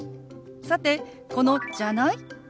さてこの「じゃない？」。